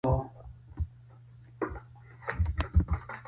په خوږې خبرې کښېنه، خفه مه کوه.